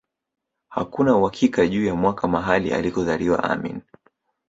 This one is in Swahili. Hakuna uhakika juu ya mwaka mahali alikozaliwa Amin